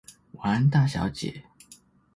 晚安大小姐